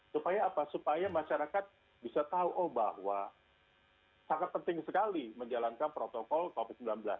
supaya apa supaya masyarakat bisa tahu bahwa sangat penting sekali menjalankan protokol covid sembilan belas